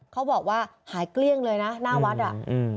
เขาบอกว่าหายเกลี้ยงเลยนะหน้าวัดอ่ะ